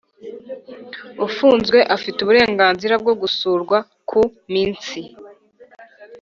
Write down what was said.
ufunzwe afite uburenganzira bwo gusurwa ku minsi